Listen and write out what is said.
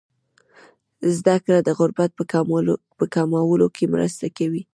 زده کړه د غربت په کمولو کې مرسته کوي.